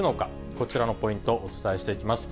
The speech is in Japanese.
こちらのポイントをお伝えしていきます。